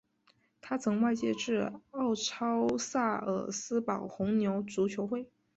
他曾外借至奥超萨尔斯堡红牛足球会。